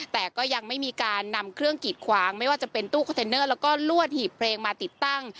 แต่ก็ยังไม่มีการนำเครื่องกีดขวางไม่ว่าจะเป็นตู้คอนเทนเนอร์แล้วก็ลวดหีบเพลงมาติดตั้ง